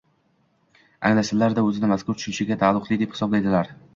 anglasalar-da, o‘zini mazkur tushunchaga taalluqli deb hisoblaydilar.